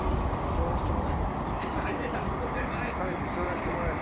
座らせてもらえ。